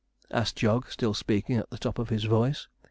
asked Jog, still speaking at the top of his voice.